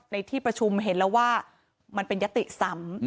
ในที่ประชุมเห็นแล้วว่ามันเป็นยติซ้ำ